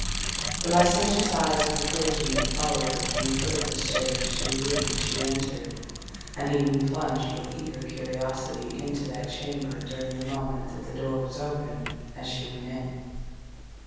The licentious eyes of the clergyman followed her from the foot of the stairs to the room which she entered; and even plunged with eager curiosity into that chamber during the moment that the door was open as she went in.